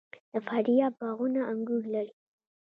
د فاریاب باغونه انګور لري.